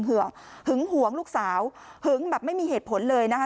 หึงหวงลูกสาวหึงแบบไม่มีเหตุผลเลยนะคะ